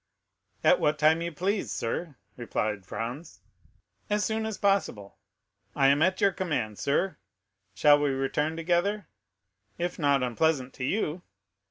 "At what time you please, sir," replied Franz. "As soon as possible." "I am at your command, sir; shall we return together?" "If not unpleasant to you."